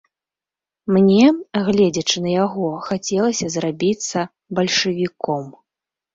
Мне, гледзячы на яго, хацелася зрабіцца бальшавіком.